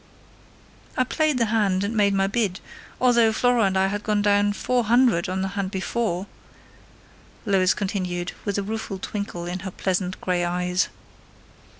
"I played the hand and made my bid, although Flora and I had gone down 400 on the hand before," Lois continued, with a rueful twinkle of her pleasant grey eyes.